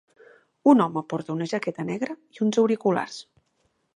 Un home porta una jaqueta negra i uns auriculars.